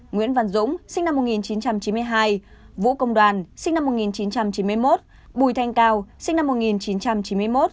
nguyễn văn dũng sinh năm một nghìn chín trăm chín mươi hai vũ công đoàn sinh năm một nghìn chín trăm chín mươi một bùi thanh cao sinh năm một nghìn chín trăm chín mươi một